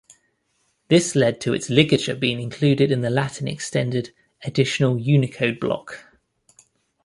This led to its ligature being included in the Latin Extended Additional Unicode block.